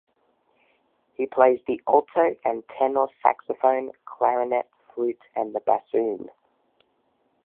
He plays the alto and tenor saxophone, clarinet, flute, and the bassoon.